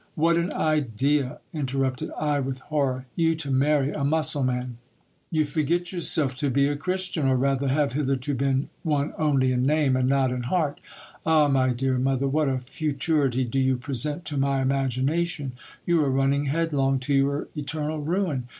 What an idea 1 interrupted I with horror : you, to marry a Mussulman ! You forget yourself to be a Christian, or rather have hitherto been one only in name and not in heart. Ah ! my dear mother, what a futurity do you present to my imagina tion ! You are running headlong to your eternal ruin.